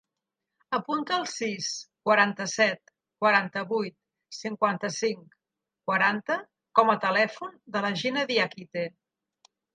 Apunta el sis, quaranta-set, quaranta-vuit, cinquanta-cinc, quaranta com a telèfon de la Gina Diakite.